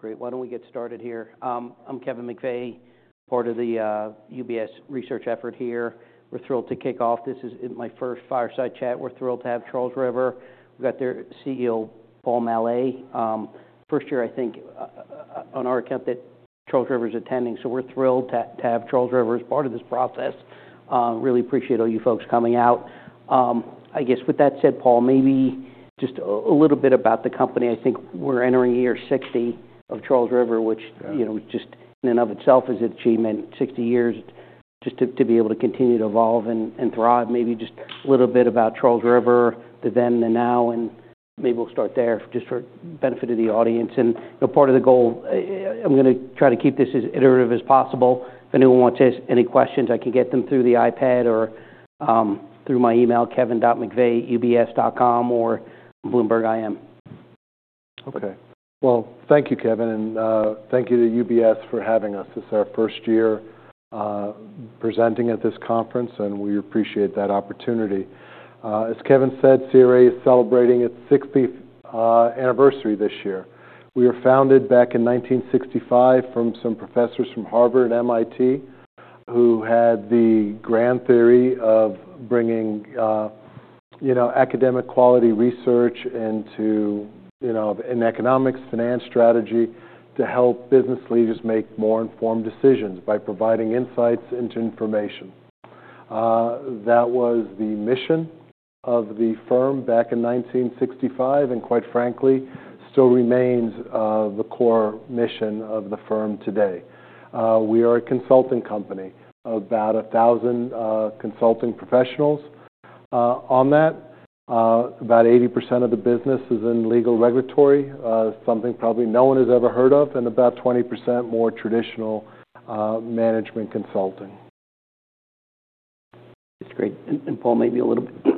Great. Why don't we get started here? I'm Kevin McVeigh, part of the UBS research effort here. We're thrilled to kick off. This is my first fireside chat. We're thrilled to have Charles River. We've got their CEO, Paul Maleh. First year, I think, on our account that Charles River's attending. So we're thrilled to have Charles River as part of this process. Really appreciate all you folks coming out. I guess with that said, Paul, maybe just a little bit about the company. I think we're entering year 60 of Charles River, which, you know, just in and of itself is an achievement, 60 years, just to be able to continue to evolve and thrive. Maybe just a little bit about Charles River, the then and the now, and maybe we'll start there just for the benefit of the audience. Part of the goal, I'm gonna try to keep this as iterative as possible. If anyone wants to ask any questions, I can get them through the iPad or through my email, kevin.mcveigh@ubs.com or bloomberg.i.m. Okay. Thank you, Kevin. Thank you to UBS for having us. This is our first year presenting at this conference, and we appreciate that opportunity. As Kevin said, CRA is celebrating its 60th anniversary this year. We were founded back in 1965 from some professors from Harvard and MIT who had the grand theory of bringing, you know, academic quality research into, you know, in economics, finance, strategy to help business leaders make more informed decisions by providing insights into information. That was the mission of the firm back in 1965 and, quite frankly, still remains the core mission of the firm today. We are a consulting company of about 1,000 consulting professionals. Of that, about 80% of the business is in legal regulatory, something probably no one has ever heard of, and about 20% more traditional management consulting. That's great. Paul, maybe a little bit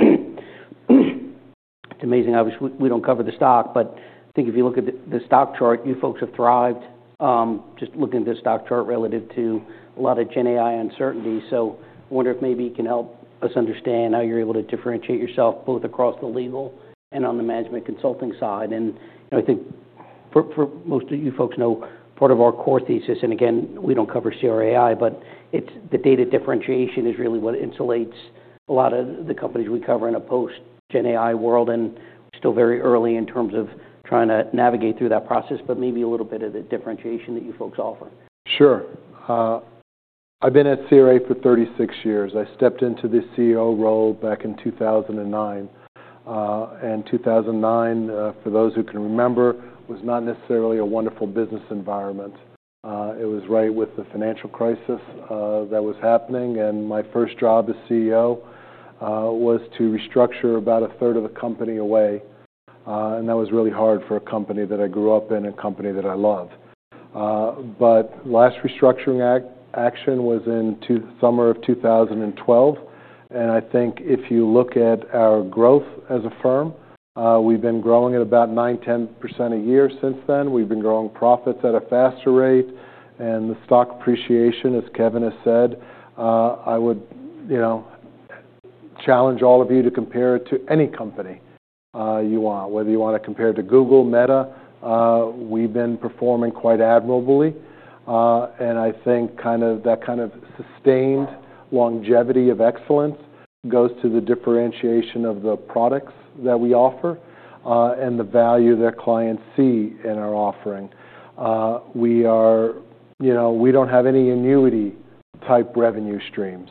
amazing. Obviously, we don't cover the stock, but I think if you look at the stock chart, you folks have thrived, just looking at the stock chart relative to a lot of Gen AI uncertainty. I wonder if maybe you can help us understand how you're able to differentiate yourself both across the legal and on the management consulting side. You know, I think for most of you folks know, part of our core thesis, and again, we don't cover CRA AI, but it's the data differentiation is really what insulates a lot of the companies we cover in a post-Gen AI world. We're still very early in terms of trying to navigate through that process, but maybe a little bit of the differentiation that you folks offer. Sure. I've been at CRA for 36 years. I stepped into the CEO role back in 2009. 2009, for those who can remember, was not necessarily a wonderful business environment. It was right with the financial crisis that was happening. My first job as CEO was to restructure about a third of the company away. That was really hard for a company that I grew up in and a company that I love. The last restructuring action was in the summer of 2012. I think if you look at our growth as a firm, we've been growing at about 9%-10% a year since then. We've been growing profits at a faster rate. The stock appreciation, as Kevin has said, I would, you know, challenge all of you to compare it to any company you want, whether you want to compare it to Google, Meta. We have been performing quite admirably. I think kind of that kind of sustained longevity of excellence goes to the differentiation of the products that we offer, and the value that clients see in our offering. We are, you know, we do not have any annuity-type revenue streams.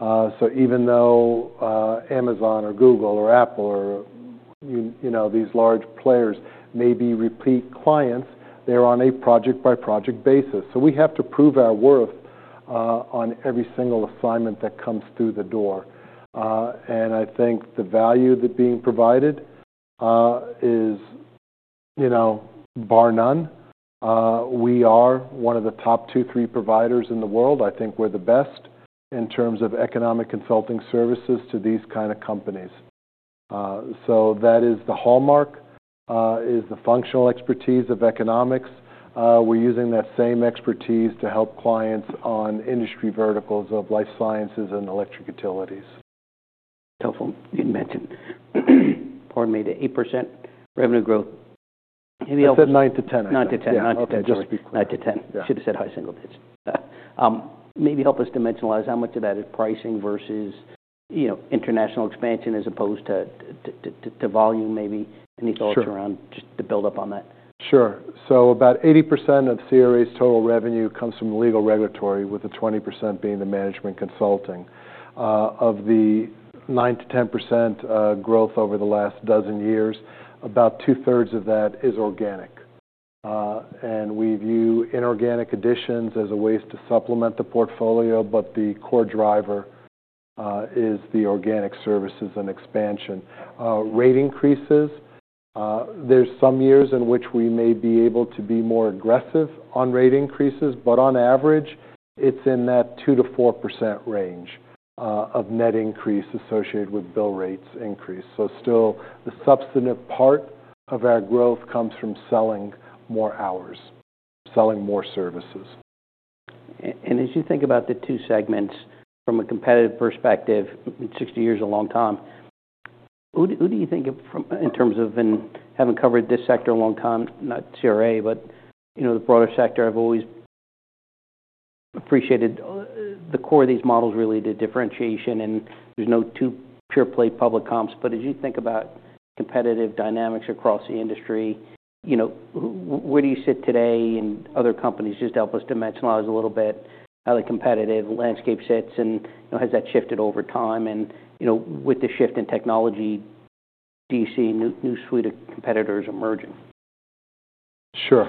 Even though Amazon or Google or Apple or, you know, these large players may be repeat clients, they are on a project-by-project basis. We have to prove our worth on every single assignment that comes through the door. I think the value that is being provided is, you know, bar none. We are one of the top two, three providers in the world. I think we're the best in terms of economic consulting services to these kind of companies. That is the hallmark, is the functional expertise of economics. We're using that same expertise to help clients on industry verticals of life sciences and electric utilities. Helpful. You mentioned part made to 8% revenue growth. Maybe help us. I said nine to ten. Nine to 10. Nine to 10. Nine to 10. Nine to 10. nine to 10. Yeah. Should have said high single digits. Maybe help us dimensionalize how much of that is pricing versus, you know, international expansion as opposed to volume, maybe. Any thoughts around just to build up on that? Sure. About 80% of CRA's total revenue comes from legal regulatory, with the 20% being the management consulting. Of the 9%-10% growth over the last dozen years, about two-thirds of that is organic. We view inorganic additions as a way to supplement the portfolio, but the core driver is the organic services and expansion. Rate increases, there are some years in which we may be able to be more aggressive on rate increases, but on average, it is in that 2%-4% range of net increase associated with bill rates increase. Still, the substantive part of our growth comes from selling more hours, selling more services. As you think about the two segments from a competitive perspective, 60 years is a long time. Who do you think of in terms of, in having covered this sector a long time, not CRA, but, you know, the broader sector, I've always appreciated the core of these models related to differentiation, and there's no two pure play public comps. As you think about competitive dynamics across the industry, you know, where do you sit today? Other companies, just help us dimensionalize a little bit how the competitive landscape sits and, you know, has that shifted over time? You know, with the shift in technology, do you see a new, new suite of competitors emerging? Sure.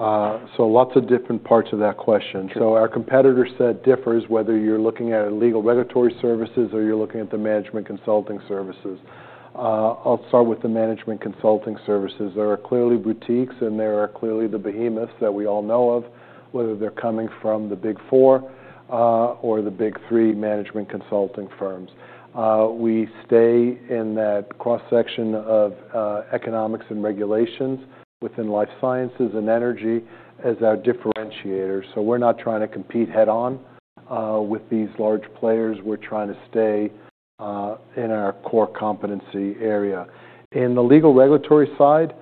Lots of different parts of that question. Sure. Our competitor set differs whether you're looking at legal regulatory services or you're looking at the management consulting services. I'll start with the management consulting services. There are clearly boutiques, and there are clearly the behemoths that we all know of, whether they're coming from the Big Four, or the Big Three management consulting firms. We stay in that cross-section of economics and regulations within life sciences and energy as our differentiator. We're not trying to compete head-on with these large players. We're trying to stay in our core competency area. In the legal regulatory side,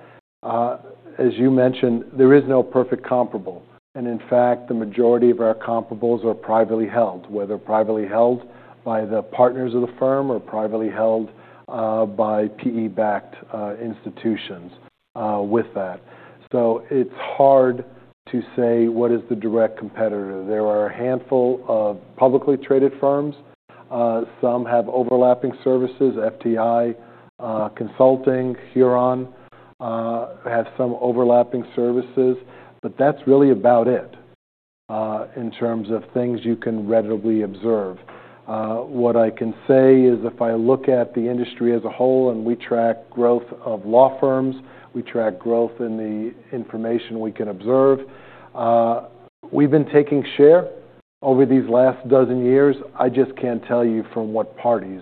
as you mentioned, there is no perfect comparable. In fact, the majority of our comparables are privately held, whether privately held by the partners of the firm or privately held by PE-backed institutions, with that. It's hard to say what is the direct competitor. There are a handful of publicly traded firms. Some have overlapping services, FTI Consulting, Huron, have some overlapping services, but that's really about it, in terms of things you can readily observe. What I can say is if I look at the industry as a whole and we track growth of law firms, we track growth in the information we can observe. We've been taking share over these last dozen years. I just can't tell you from what parties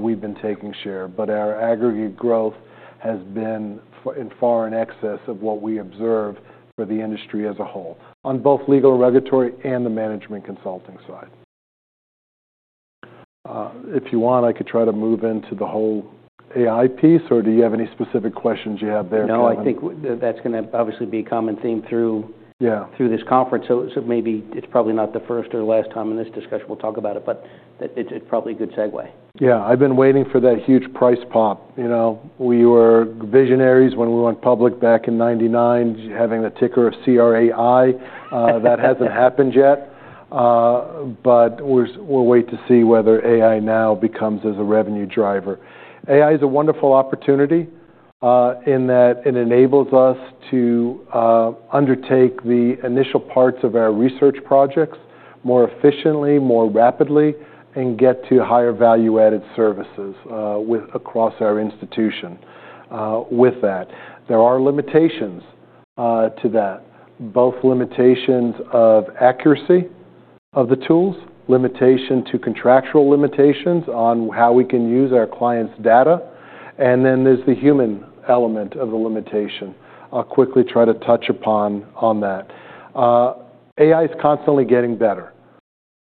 we've been taking share, but our aggregate growth has been in far excess of what we observe for the industry as a whole on both legal and regulatory and the management consulting side. If you want, I could try to move into the whole AI piece, or do you have any specific questions you have there for me? No, I think that that's gonna obviously be a common theme through. Yeah. Through this conference. Maybe it's probably not the first or last time in this discussion we'll talk about it, but that it's probably a good segue. Yeah. I've been waiting for that huge price pop. You know, we were visionaries when we went public back in 1999, having the ticker of CRAI. That hasn't happened yet. We'll wait to see whether AI now becomes a revenue driver. AI is a wonderful opportunity, in that it enables us to undertake the initial parts of our research projects more efficiently, more rapidly, and get to higher value-added services across our institution. With that, there are limitations to that, both limitations of accuracy of the tools, limitation to contractual limitations on how we can use our clients' data, and then there's the human element of the limitation. I'll quickly try to touch upon that. AI is constantly getting better,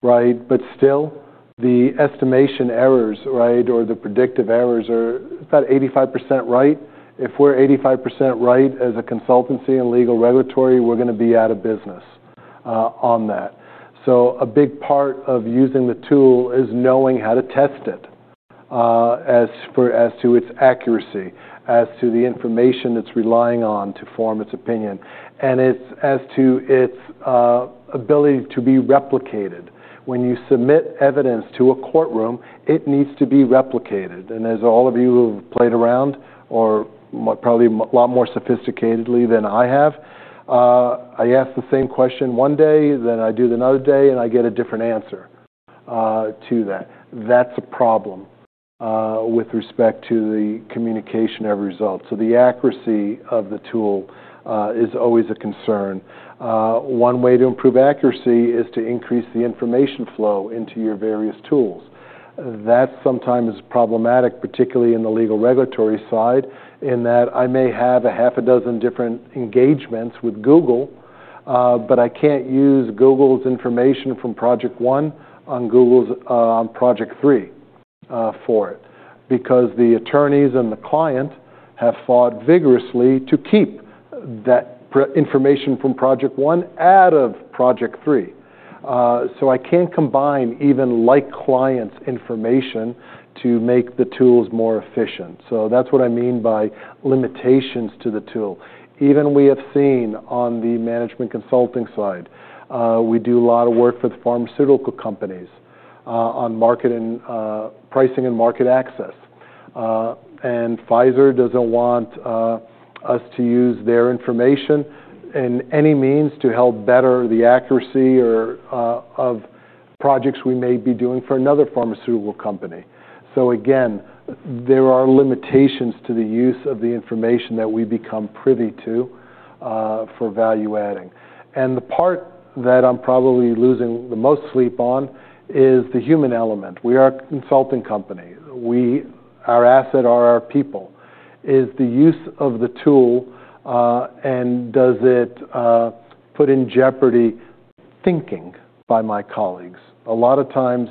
right? Still, the estimation errors, right, or the predictive errors are about 85% right. If we're 85% right as a consultancy and legal regulatory, we're gonna be out of business on that. A big part of using the tool is knowing how to test it, as far as to its accuracy, as to the information it's relying on to form its opinion. It's as to its ability to be replicated. When you submit evidence to a courtroom, it needs to be replicated. As all of you have played around or probably a lot more sophisticatedly than I have, I ask the same question one day, then I do it another day, and I get a different answer to that. That's a problem with respect to the communication of results. The accuracy of the tool is always a concern. One way to improve accuracy is to increase the information flow into your various tools. That sometimes is problematic, particularly in the legal regulatory side, in that I may have a half a dozen different engagements with Google, but I can't use Google's information from project one on Google's, on project three, for it because the attorneys and the client have fought vigorously to keep that information from project one out of project three. I can't combine even like clients' information to make the tools more efficient. That's what I mean by limitations to the tool. Even we have seen on the management consulting side, we do a lot of work for the pharmaceutical companies, on marketing, pricing and market access. Pfizer doesn't want us to use their information in any means to help better the accuracy or, of projects we may be doing for another pharmaceutical company. There are limitations to the use of the information that we become privy to, for value-adding. The part that I'm probably losing the most sleep on is the human element. We are a consulting company. Our asset are our people. Is the use of the tool, and does it, put in jeopardy thinking by my colleagues? A lot of times,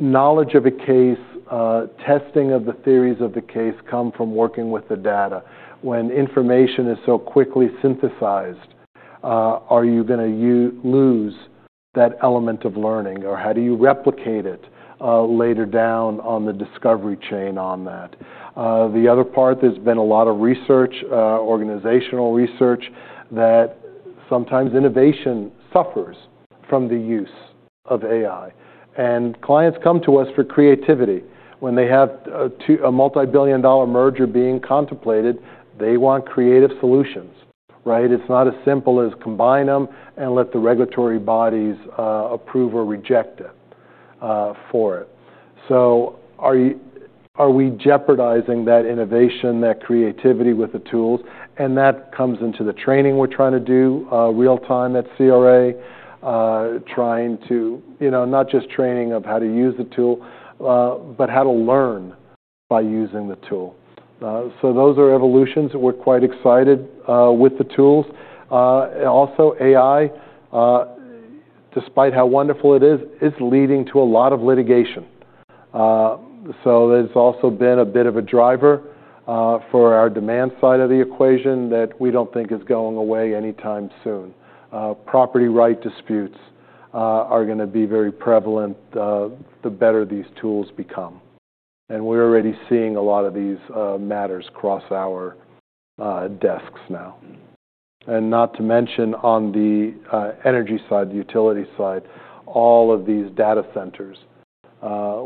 knowledge of a case, testing of the theories of the case come from working with the data. When information is so quickly synthesized, are you gonna lose that element of learning, or how do you replicate it, later down on the discovery chain on that? The other part, there's been a lot of research, organizational research that sometimes innovation suffers from the use of AI. Clients come to us for creativity. When they have a multi-billion dollar merger being contemplated, they want creative solutions, right? It's not as simple as combine them and let the regulatory bodies approve or reject it for it. Are you, are we jeopardizing that innovation, that creativity with the tools? That comes into the training we're trying to do, real time at CRA, trying to, you know, not just training of how to use the tool, but how to learn by using the tool. Those are evolutions that we're quite excited with the tools. Also, AI, despite how wonderful it is, is leading to a lot of litigation. There's also been a bit of a driver for our demand side of the equation that we don't think is going away anytime soon. Property right disputes are gonna be very prevalent, the better these tools become. We're already seeing a lot of these matters cross our desks now. Not to mention on the energy side, the utility side, all of these data centers,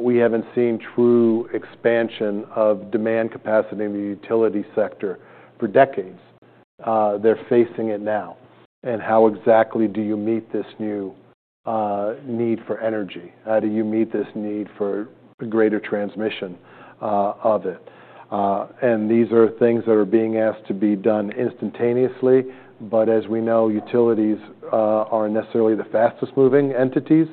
we haven't seen true expansion of demand capacity in the utility sector for decades. They're facing it now. How exactly do you meet this new need for energy? How do you meet this need for greater transmission of it? These are things that are being asked to be done instantaneously. As we know, utilities are necessarily the fastest moving entities.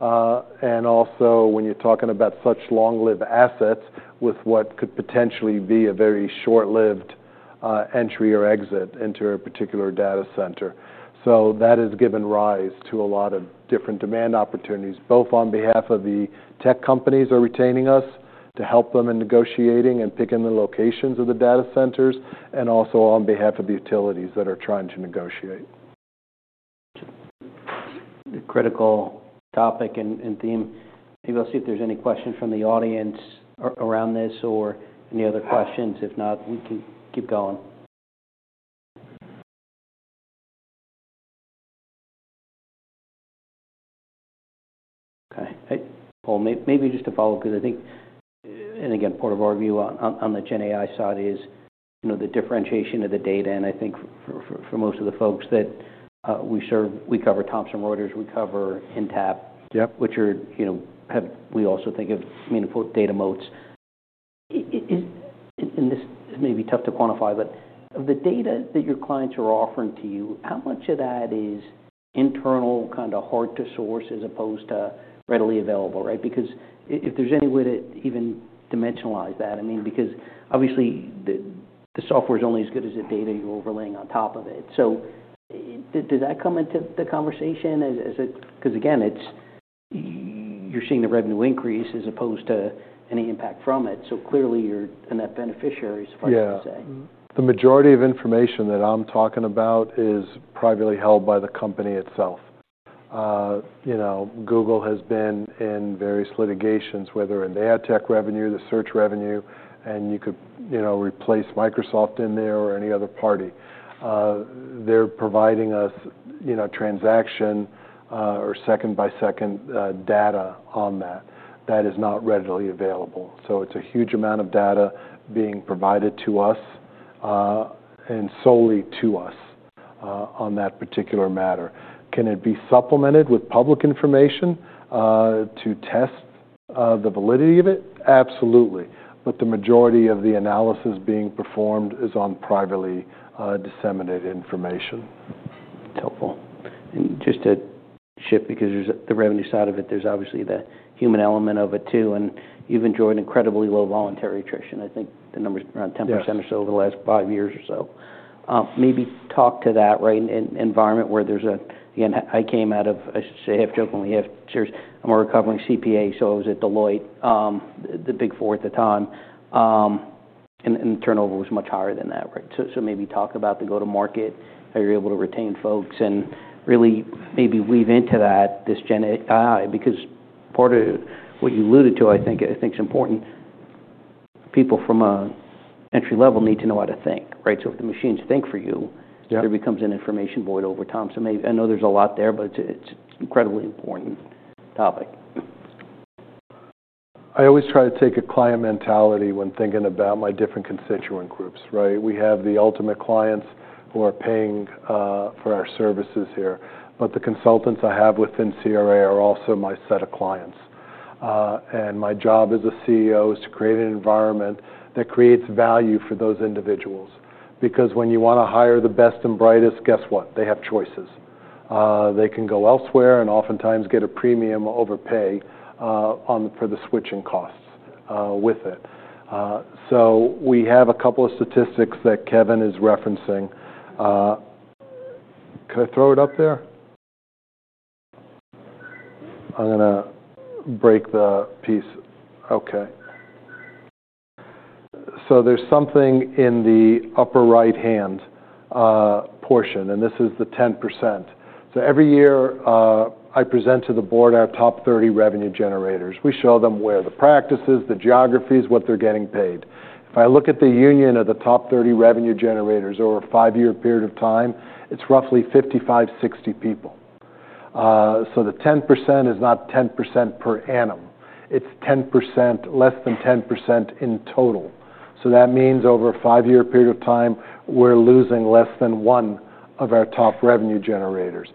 Also, when you're talking about such long-lived assets with what could potentially be a very short-lived entry or exit into a particular data center. That has given rise to a lot of different demand opportunities, both on behalf of the tech companies who are retaining us to help them in negotiating and picking the locations of the data centers, and also on behalf of the utilities that are trying to negotiate. Critical topic and theme. Maybe I'll see if there's any questions from the audience around this or any other questions. If not, we can keep going. Okay. Hey, Paul, maybe just to follow up, 'cause I think, and again, part of our view on the GenAI side is, you know, the differentiation of the data. And I think for most of the folks that we serve, we cover Thomson Reuters, we cover Intapp. Yep. Which are, you know, have we also think of meaningful data moats. Is in, in this may be tough to quantify, but of the data that your clients are offering to you, how much of that is internal, kinda hard to source as opposed to readily available, right? Because if there's any way to even dimensionalize that, I mean, because obviously the software's only as good as the data you're overlaying on top of it. So does that come into the conversation as, as it 'cause again, it's you're seeing the revenue increase as opposed to any impact from it. Clearly you're a net beneficiary as far as. Yeah. I can say. The majority of information that I'm talking about is privately held by the company itself. You know, Google has been in various litigations, whether in the ad tech revenue, the search revenue, and you could, you know, replace Microsoft in there or any other party. They're providing us, you know, transaction, or second-by-second, data on that. That is not readily available. So it's a huge amount of data being provided to us, and solely to us, on that particular matter. Can it be supplemented with public information, to test, the validity of it? Absolutely. But the majority of the analysis being performed is on privately, disseminated information. That's helpful. Just to shift because there's the revenue side of it, there's obviously the human element of it too. You've enjoyed incredibly low voluntary attrition. I think the number's around 10% or so over the last five years or so. Maybe talk to that, right, in an environment where there's a, again, I came out of, I should say, half-jokingly, half serious, I'm a recovering CPA, so I was at Deloitte, the Big Four at the time, and turnover was much higher than that, right? Maybe talk about the go-to-market, how you're able to retain folks, and really maybe weave into that this GenAI because part of what you alluded to, I think, I think's important. People from an entry level need to know how to think, right? If the machines think for you. Yeah. There becomes an information void over time. Maybe I know there's a lot there, but it's an incredibly important topic. I always try to take a client mentality when thinking about my different constituent groups, right? We have the ultimate clients who are paying for our services here, but the consultants I have within CRA are also my set of clients. My job as a CEO is to create an environment that creates value for those individuals because when you wanna hire the best and brightest, guess what? They have choices. They can go elsewhere and oftentimes get a premium overpay for the switching costs with it. We have a couple of statistics that Kevin is referencing. Could I throw it up there? I'm gonna break the piece. There is something in the upper right-hand portion, and this is the 10%. Every year, I present to the board our top 30 revenue generators. We show them where the practices, the geographies, what they're getting paid. If I look at the union of the top 30 revenue generators over a five-year period of time, it's roughly 55-60 people. The 10% is not 10% per annum. It's 10%, less than 10% in total. That means over a five-year period of time, we're losing less than one of our top revenue generators.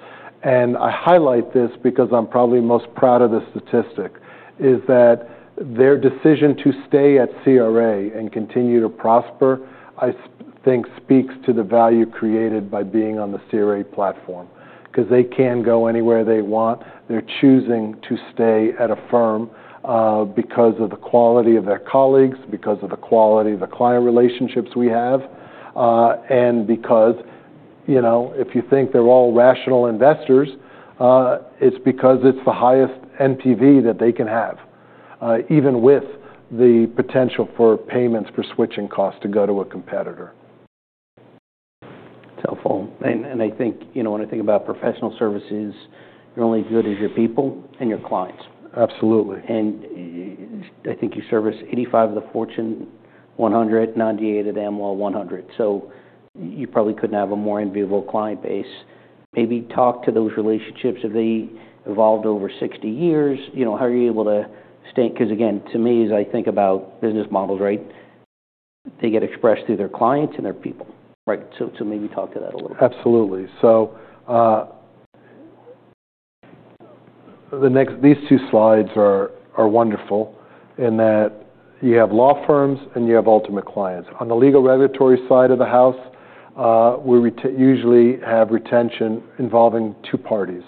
I highlight this because I'm probably most proud of the statistic, is that their decision to stay at CRA and continue to prosper, I think speaks to the value created by being on the CRA platform 'cause they can go anywhere they want. They're choosing to stay at a firm, because of the quality of their colleagues, because of the quality of the client relationships we have, and because, you know, if you think they're all rational investors, it's because it's the highest NPV that they can have, even with the potential for payments for switching costs to go to a competitor. It's helpful. And I think, you know, when I think about professional services, you're only as good as your people and your clients. Absolutely. I think you service 85 of the Fortune 100, 98 of them, well, 100. You probably could not have a more unbeatable client base. Maybe talk to those relationships. Have they evolved over 60 years? You know, how are you able to stay? 'Cause again, to me, as I think about business models, right, they get expressed through their clients and their people, right? Maybe talk to that a little bit. Absolutely. The next these two slides are wonderful in that you have law firms and you have ultimate clients. On the legal regulatory side of the house, we usually have retention involving two parties.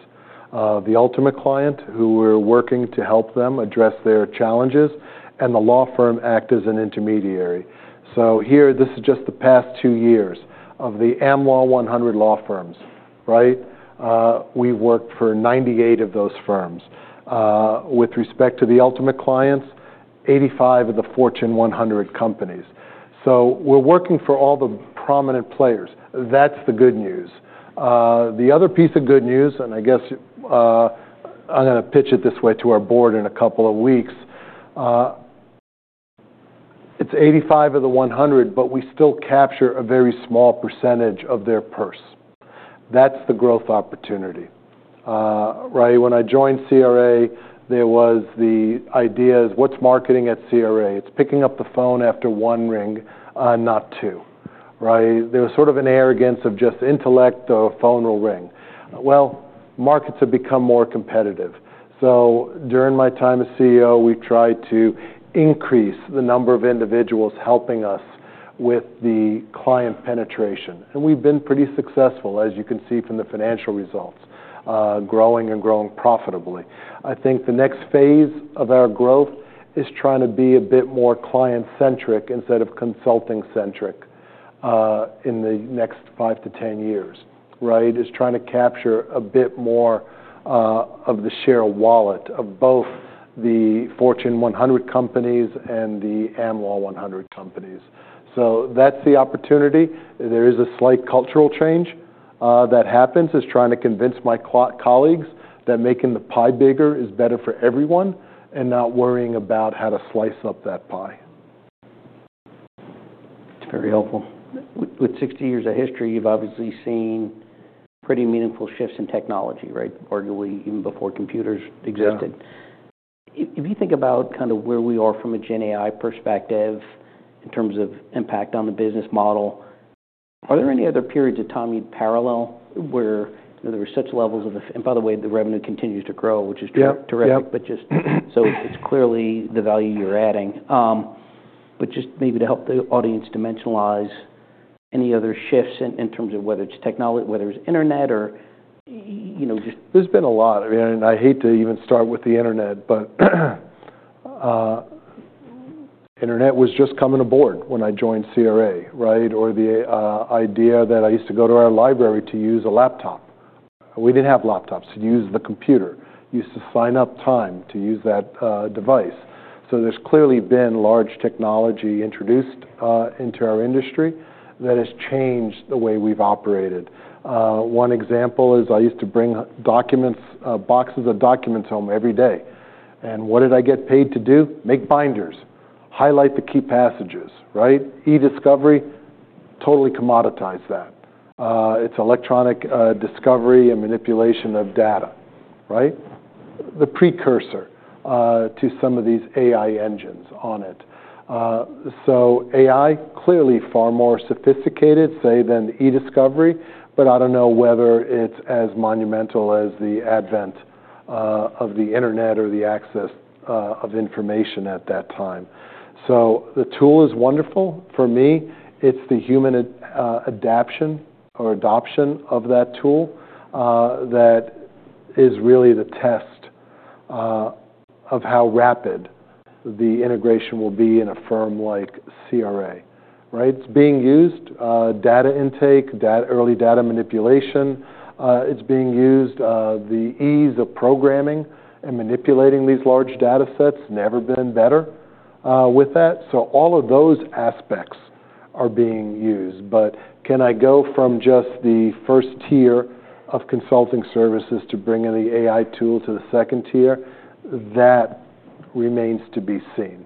The ultimate client who we're working to help them address their challenges, and the law firm acts as an intermediary. Here, this is just the past two years of the Am Law 100 law firms, right? We've worked for 98 of those firms. With respect to the ultimate clients, 85 of the Fortune 100 companies. We're working for all the prominent players. That's the good news. The other piece of good news, and I guess, I'm gonna pitch it this way to our board in a couple of weeks. It's 85 of the 100, but we still capture a very small percentage of their purse. That's the growth opportunity, right? When I joined CRA, there was the idea is what's marketing at CRA? It's picking up the phone after one ring, not two, right? There was sort of an arrogance of just intellect, the phone will ring. Markets have become more competitive. During my time as CEO, we've tried to increase the number of individuals helping us with the client penetration. We've been pretty successful, as you can see from the financial results, growing and growing profitably. I think the next phase of our growth is trying to be a bit more client-centric instead of consulting-centric, in the next five to 10 years, right? It's trying to capture a bit more of the share of wallet of both the Fortune 100 companies and the Am Law 100 companies. That's the opportunity. There is a slight cultural change that happens is trying to convince my colleagues that making the pie bigger is better for everyone and not worrying about how to slice up that pie. It's very helpful. With 60 years of history, you've obviously seen pretty meaningful shifts in technology, right? Arguably even before computers existed. Yeah. If you think about kinda where we are from a GenAI perspective in terms of impact on the business model, are there any other periods of time you'd parallel where, you know, there were such levels of the f and by the way, the revenue continues to grow, which is true. Yeah. Terrific. Just so it's clearly the value you're adding, just maybe to help the audience dimensionalize any other shifts in, in terms of whether it's technolo, whether it's internet, or, you know, just. There's been a lot. I mean, I hate to even start with the internet, but internet was just coming aboard when I joined CRA, right? Or the idea that I used to go to our library to use a laptop. We didn't have laptops to use the computer. You used to sign up time to use that device. So there's clearly been large technology introduced into our industry that has changed the way we've operated. One example is I used to bring documents, boxes of documents home every day. And what did I get paid to do? Make binders, highlight the key passages, right? E-discovery totally commoditized that. It's electronic discovery and manipulation of data, right? The precursor to some of these AI engines on it. AI is clearly far more sophisticated, say, than e-discovery, but I don't know whether it's as monumental as the advent of the internet or the access of information at that time. The tool is wonderful. For me, it's the human adaption or adoption of that tool that is really the test of how rapid the integration will be in a firm like CRA, right? It's being used, data intake, early data manipulation. It's being used, the ease of programming and manipulating these large data sets. Never been better with that. All of those aspects are being used. Can I go from just the first tier of consulting services to bringing the AI tool to the second tier? That remains to be seen,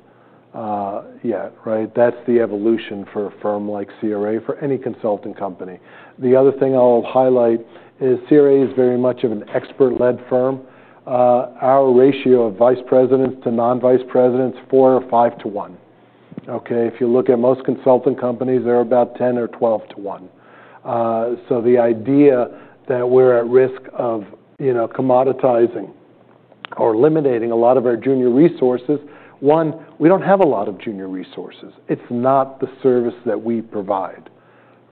yet, right? That's the evolution for a firm like CRA, for any consulting company. The other thing I'll highlight is CRA is very much of an expert-led firm. Our ratio of vice presidents to non-vice presidents, four or five to one, okay? If you look at most consulting companies, they're about 10 or 12 to one. The idea that we're at risk of, you know, commoditizing or eliminating a lot of our junior resources, one, we don't have a lot of junior resources. It's not the service that we provide,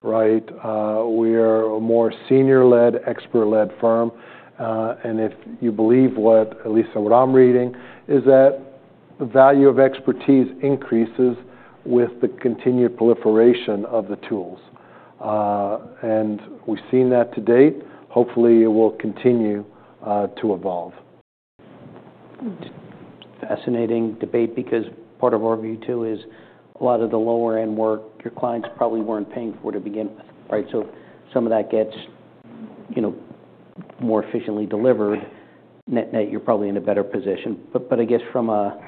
right? We're a more senior-led, expert-led firm. If you believe what at least what I'm reading is that the value of expertise increases with the continued proliferation of the tools. We've seen that to date. Hopefully, it will continue to evolve. Fascinating debate because part of our view too is a lot of the lower-end work your clients probably weren't paying for to begin with, right? So some of that gets, you know, more efficiently delivered. Net, net, you're probably in a better position. I guess from a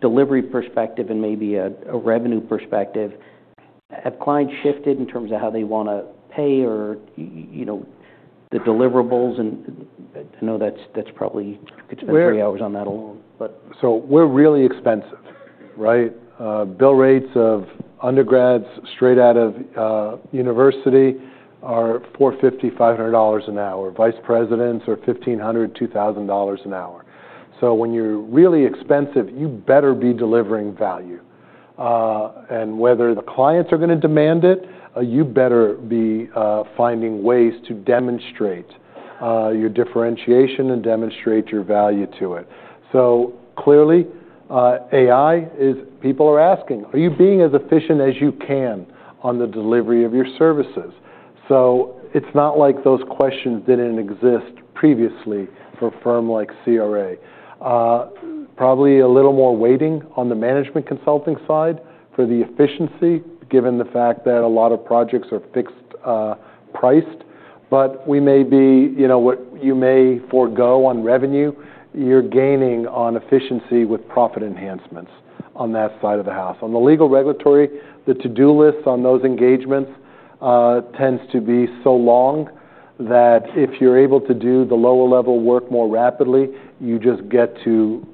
delivery perspective and maybe a revenue perspective, have clients shifted in terms of how they wanna pay or, you know, the deliverables? I know that's probably we could spend three hours on that alone, but. We're really expensive, right? Bill rates of undergrads straight out of university are $450-$500 an hour. Vice presidents are $1,500-$2,000 an hour. When you're really expensive, you better be delivering value, and whether the clients are gonna demand it, you better be finding ways to demonstrate your differentiation and demonstrate your value to it. Clearly, AI is—people are asking, "Are you being as efficient as you can on the delivery of your services?" It's not like those questions didn't exist previously for a firm like CRA. Probably a little more waiting on the management consulting side for the efficiency given the fact that a lot of projects are fixed priced. We may be, you know, what you may forego on revenue, you're gaining on efficiency with profit enhancements on that side of the house. On the legal regulatory, the to-do lists on those engagements tends to be so long that if you're able to do the lower-level work more rapidly, you just get to,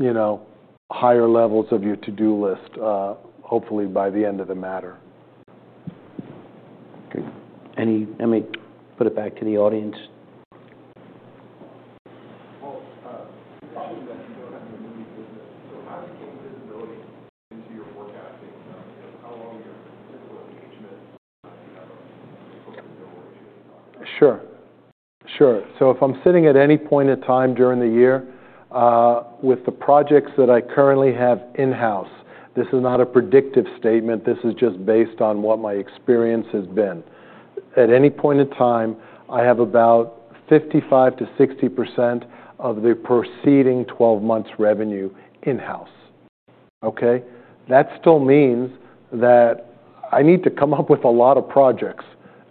you know, higher levels of your to-do list, hopefully by the end of the matter. Okay. Any, I may put it back to the audience. The question that you don't have to really is, so how do you gain visibility into your forecasting? You know, how long your typical engagement, you have on the corporate delivery? Sure. Sure. If I'm sitting at any point in time during the year, with the projects that I currently have in-house, this is not a predictive statement. This is just based on what my experience has been. At any point in time, I have about 55%-60% of the preceding 12 months' revenue in-house, okay? That still means that I need to come up with a lot of projects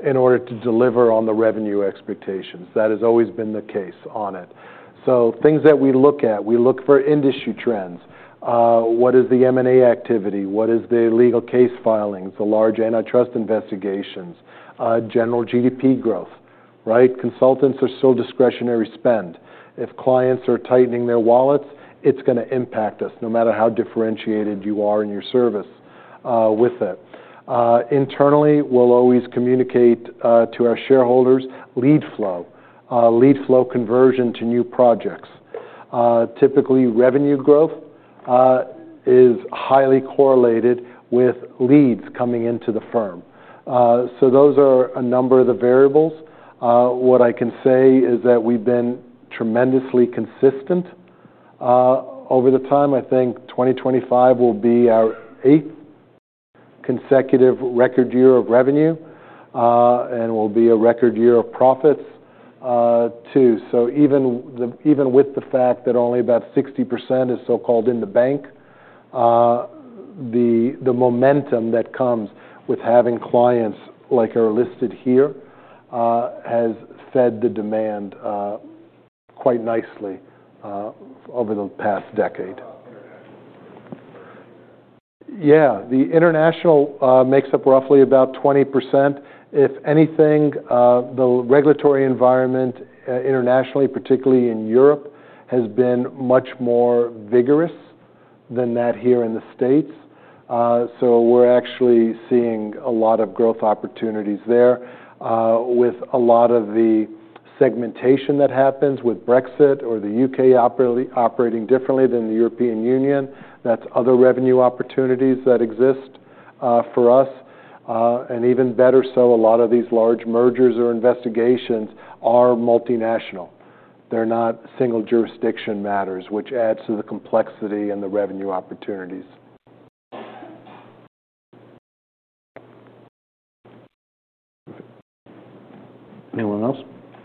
in order to deliver on the revenue expectations. That has always been the case on it. Things that we look at, we look for industry trends. What is the M&A activity? What is the legal case filings, the large antitrust investigations, general GDP growth, right? Consultants are still discretionary spend. If clients are tightening their wallets, it's gonna impact us no matter how differentiated you are in your service, with it. Internally, we'll always communicate to our shareholders lead flow, lead flow conversion to new projects. Typically, revenue growth is highly correlated with leads coming into the firm. So those are a number of the variables. What I can say is that we've been tremendously consistent over the time. I think 2025 will be our eighth consecutive record year of revenue, and will be a record year of profits, too. Even with the fact that only about 60% is so-called in the bank, the momentum that comes with having clients like our listed here has fed the demand quite nicely over the past decade. International. Yeah. The international makes up roughly about 20%. If anything, the regulatory environment internationally, particularly in Europe, has been much more vigorous than that here in the U.S., so we're actually seeing a lot of growth opportunities there, with a lot of the segmentation that happens with Brexit or the U.K. operating differently than the European Union. That's other revenue opportunities that exist for us. And even better, a lot of these large mergers or investigations are multinational. They're not single jurisdiction matters, which adds to the complexity and the revenue opportunities. Anyone else?